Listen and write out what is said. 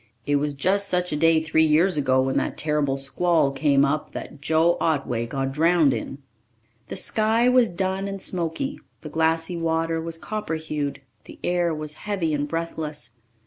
It was just such a day three years ago when that terrible squall came up that Joe Otway got drowned in." The sky was dun and smoky, the glassy water was copper hued, the air was heavy and breathless.